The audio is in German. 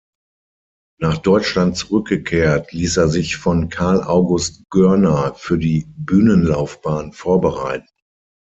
Nach Deutschland zurückgekehrt, ließ er sich von Karl August Görner für die Bühnenlaufbahn vorbereiten.